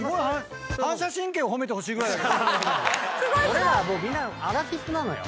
俺らみんなアラフィフなのよ。